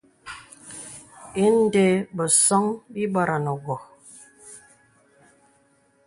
Ìndə̀ bəsōŋ bì bɔranə wɔ.